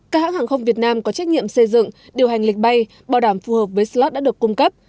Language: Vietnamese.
các hãng hàng không việt nam có trách nhiệm xây dựng điều hành lịch bay bảo đảm phù hợp với slot đã được cung cấp